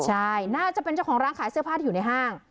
ใช่น่าจะเป็นเจ้าของร้านขายเสื้อผ้าที่อยู่ในห้าง